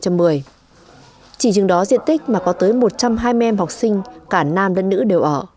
chỉ chừng đó diện tích mà có tới một trăm hai mươi em học sinh cả nam lẫn nữ đều ở